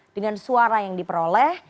dengan suara yang diperoleh